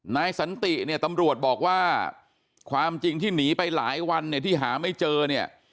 นายสันติเนี่ยตำรวจบอกว่าความจริงที่หนีไปหลายวันเนี่ยที่หาไม่เจอเนี่ย